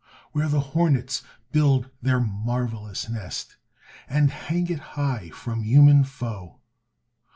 Where the hornets build their marvelous nest, And hang it high from human foe.